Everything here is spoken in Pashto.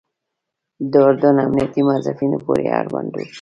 د اردن امنیتي موظفینو پورې اړوند وو.